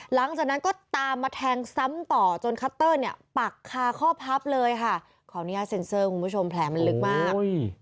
หลังจากนั้นก็ตามมาแทงซ้ำต่อจนคัตเตอร์เนี่ยปักคาข้อพับเลยค่ะขออนุญาตเซ็นเซอร์คุณผู้ชมแผลมันลึกมาก